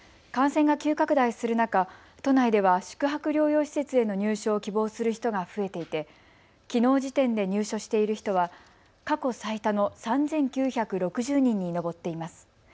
感染が急拡大する中、都内では宿泊療養施設への入所を希望する人が増えていてきのう時点で入所している人は過去最多の３９６０人に上っています。